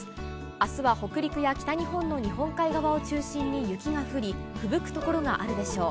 あすは北陸や北日本の日本海側を中心に雪が降り、ふぶく所があるでしょう。